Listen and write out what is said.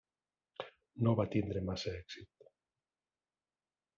No va tindre massa èxit.